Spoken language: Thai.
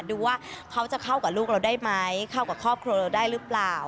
ดูว่าเขาจะเข้ากับลูกเราได้ไหมเข้ากับครอบครัวเราได้หรือเปล่า